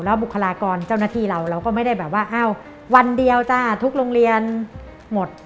แล้วบุคลากรเจ้าหน้าที่เราก็ไม่ได้ว่าวันเดียวทุกโรงเรียนหมด